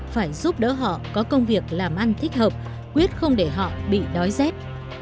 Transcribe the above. phải giúp đỡ họ có công việc làm ăn thích hợp quyết không để họ bị đói rét